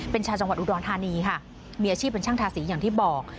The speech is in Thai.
เป็นชาวจังหวัดอุดรธานีค่ะมีอาชีพเป็นช่างทาสีอย่างที่บอก